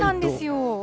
そうなんですよ。